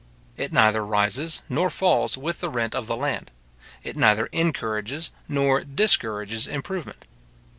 It neither rises nor falls with the rent of the land. It neither encourages nor discourages improvement.